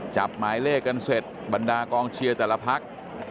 หมายเลขกันเสร็จบรรดากองเชียร์แต่ละพัก